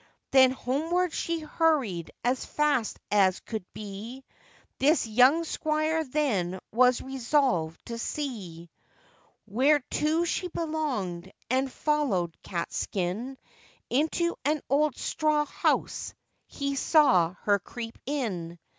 Then homeward she hurried, as fast as could be; This young squire then was resolvèd to see Whereto she belonged, and, following Catskin, Into an old straw house he saw her creep in.